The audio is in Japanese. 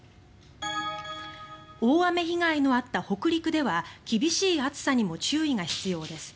大雨被害のあった北陸では厳しい暑さにも注意が必要です。